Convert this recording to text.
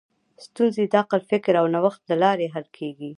ستونزې د عقل، فکر او نوښت له لارې حل کېږي.